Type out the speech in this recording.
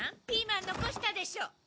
ピーマン残したでしょ？